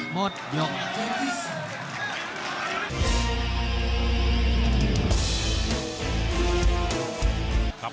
หมดยก